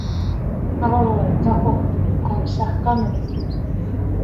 هغه وويل دا خو کوم سخت کار نه دی.